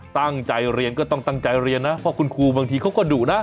ตั้งใจเรียนก็ต้องตั้งใจเรียนนะเพราะคุณครูบางทีเขาก็ดุนะ